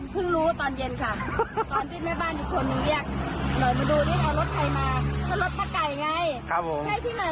เพิ่งรู้ตอนเย็นค่ะตอนที่แม่บ้านอีกคนเรียกหน่อยมาดูเรียกเอารถไขมา